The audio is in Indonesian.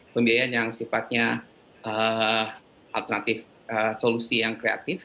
pembiayaan yang sifatnya alternatif solusi yang kreatif